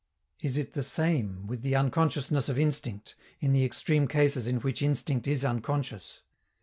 Is it the same with the unconsciousness of instinct, in the extreme cases in which instinct is unconscious?